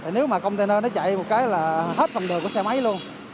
nếu mà container nó chạy một cái là hết lòng đường của xe máy luôn